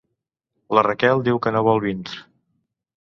La Raquel diu que no vindr